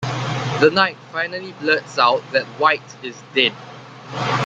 The knight finally blurts out that White is dead.